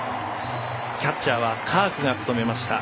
キャッチャーはカークが務めました。